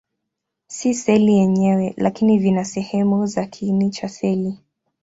Si seli yenyewe, lakini vina sehemu za kiini cha seli.